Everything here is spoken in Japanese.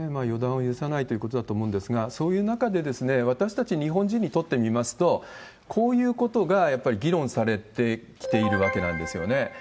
予断を許さないということだと思うんですが、そういう中で、私たち日本人にとってみますと、こういうことがやっぱり議論されてきているわけなんですよね。